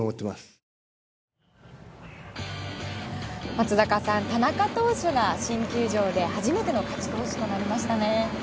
松坂さん、田中投手が新球場で初めての勝ち投手となりましたね。